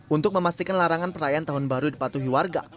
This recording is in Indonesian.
untuk memastikan larangan perayaan tahun baru di patuhi warga